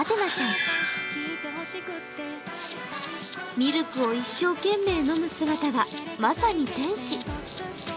ミルクを一生懸命飲む姿はまさに天使。